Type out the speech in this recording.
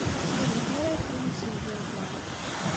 D nitni ara yexnunsen deg yiẓẓan.